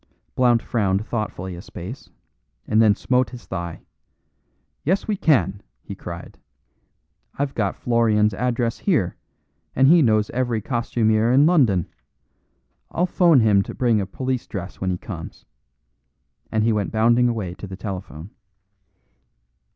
Blount frowned thoughtfully a space, and then smote his thigh. "Yes, we can!" he cried. "I've got Florian's address here, and he knows every costumier in London. I'll phone him to bring a police dress when he comes." And he went bounding away to the telephone.